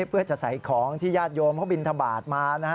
เพื่อจะใส่ของที่ญาติโยมเขาบินทบาทมา